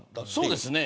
そうですね。